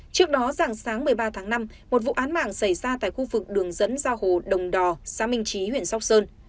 trước đó dạng sáng một mươi ba tháng năm một vụ án mạng xảy ra tại khu vực đường dẫn giao hồ đồng đò xã minh trí huyện sóc sơn